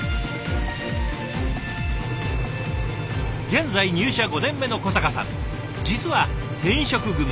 現在入社５年目の小坂さん実は転職組。